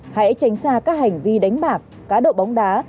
hãy tránh xa các hành vi đánh bạc cá độ bóng đá